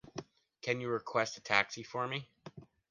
Can you request a taxi for me?